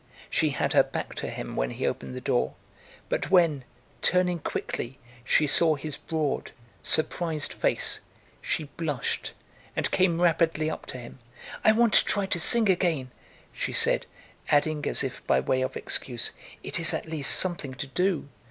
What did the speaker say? She had her back to him when he opened the door, but when, turning quickly, she saw his broad, surprised face, she blushed and came rapidly up to him. "I want to try to sing again," she said, adding as if by way of excuse, "it is, at least, something to do."